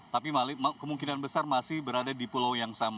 tapi kemungkinan besar masih berada di pulau yang sama